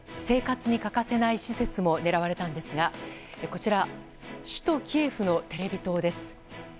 生活に欠かせない施設も狙われたんですがこちら、首都キエフのテレビ塔です。